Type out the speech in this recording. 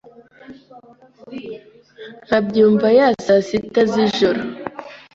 Nkabyu mva ya saa sita z'ijoro ...